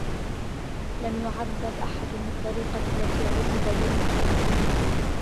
لم يُعذّب أحد بالطّريقة التي عُذّب بها سامي.